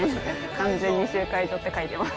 完全に集会所って書いてます。